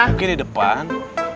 mungkin di depan